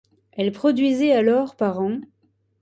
Elle produisait alors par an.